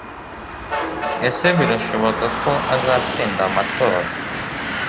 ese birashoboka ko azatsinda amatora